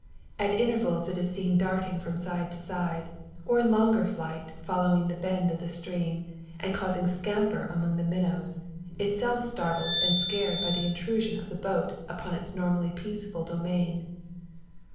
At intervals it is seen darting from side to side, or in longer flight following the bend of the stream, and causing scamper among the minnows itself startled and scared by the intrusion of the boat upon its normally peaceful domain.